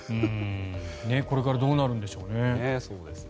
これからどうなるんでしょうね。